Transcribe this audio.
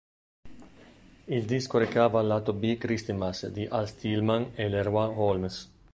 Il disco recava al lato B "Christmas" di Al Stillman e Leroy Holmes.